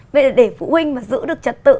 vậy là để phụ huynh mà giữ được trật tự